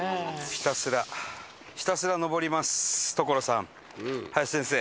ひたすらひたすら登ります所さん林先生。